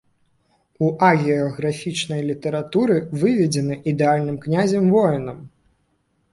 У агіяграфічнай літаратуры выведзены ідэальным князем-воінам.